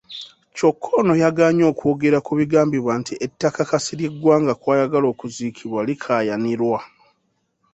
Kyokka ono yagaanye okwogera ku bigambibwa nti ettaka Kasirye Gwanga kw'ayagala okuziikibwa likaayanirwa.